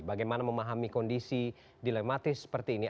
bagaimana memahami kondisi dilematis seperti ini